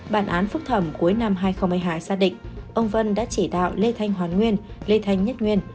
bản án phúc thẩm cuối năm hai nghìn một mươi hai xác định ông vân đã chỉ đạo lê thanh hoàn nguyên lê thanh nhất nguyên